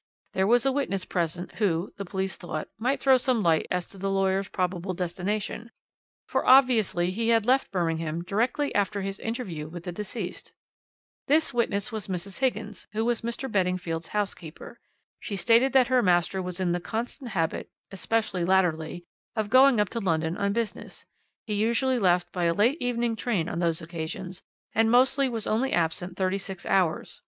There was a witness present who, the police thought, might throw some light as to the lawyer's probable destination, for obviously he had left Birmingham directly after his interview with the deceased. "This witness was Mrs. Higgins, who was Mr. Beddingfield's housekeeper. She stated that her master was in the constant habit especially latterly of going up to London on business. He usually left by a late evening train on those occasions, and mostly was only absent thirty six hours.